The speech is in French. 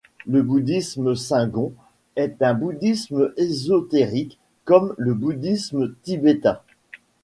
Le bouddhisme Shingon est un bouddhisme ésotérique, comme le bouddhisme tibétain.